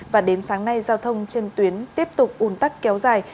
và đến sáng nay giao thông trên tuyến tiếp tục un tắc kéo dài